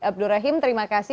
abdul rahim terima kasih